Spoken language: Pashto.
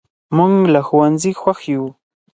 موږ له ښوونځي خوښ یو.